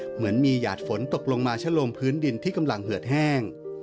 เหมือนมีหยาดฝนตกลงมาชะโลงพื้นดินที่กำลังเหือดแห้ง